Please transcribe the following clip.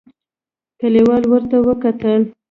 کليوالو ورته وکتل.